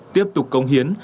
tiếp tục công hiến